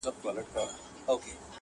شرنګ د زولنو به دي غوږو ته رسېدلی وي-